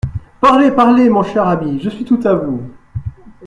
Parlez, parlez, mon cher ami, je suis tout à vous…